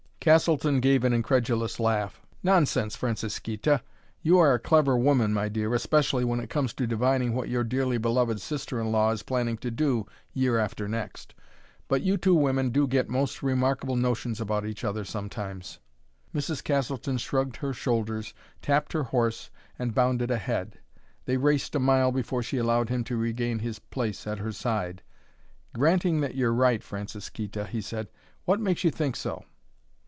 Castleton gave an incredulous laugh. "Nonsense, Francisquita! You are a clever woman, my dear, especially when it comes to divining what your dearly beloved sister in law is planning to do year after next. But you two women do get most remarkable notions about each other sometimes." Mrs. Castleton shrugged her shoulders, tapped her horse, and bounded ahead. They raced for a mile before she allowed him to regain his place at her side. "Granting that you're right, Francisquita," he said, "what makes you think so?"